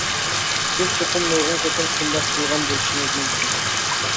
سىز چوقۇم نۇرغۇن قېتىم شۇنداق قىلغان بولۇشىڭىز مۇمكىن.